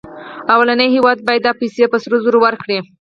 لومړنی هېواد باید دا پیسې په سرو زرو ورکړي